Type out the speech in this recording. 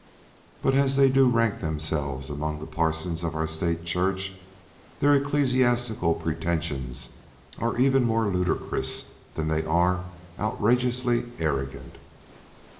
But as they do rank themselves among the parsons of our State Church, their ecclesiastical pretensions are even more ludicrous than they are outrageously arrogant.